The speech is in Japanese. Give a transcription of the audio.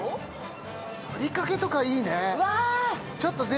ふりかけとかいいね。